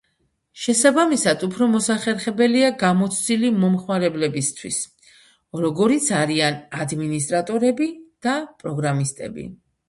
შესაბამისად უფრო მოსახერხებელია გამოცდილი მომხმარებლებისთვის, როგორიც არიან ადმინისტრატორები და პროგრამისტები.